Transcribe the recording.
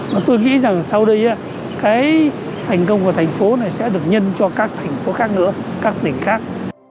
mà tôi nghĩ rằng sau đây cái thành công của thành phố này sẽ được nhân cho các thành phố khác nữa các tỉnh khác